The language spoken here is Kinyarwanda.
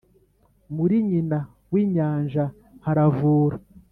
muri nyina w inyanja haravura